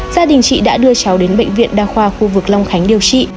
gia đình chị đã đưa cháu đến bệnh viện đa khoa khu vực long khánh điều trị